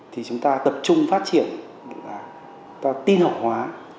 thì chúng ta tập trung phát triển chúng ta tin hậu hóa